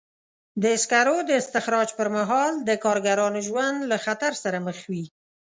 د سکرو د استخراج پر مهال د کارګرانو ژوند له خطر سره مخ وي.